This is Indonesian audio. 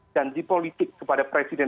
ganti politik kepada presiden